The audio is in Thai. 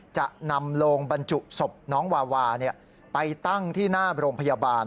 จะนำโลงบรรจุศพน้องวาวาไปตั้งที่หน้าโรงพยาบาล